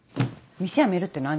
店辞めるって何？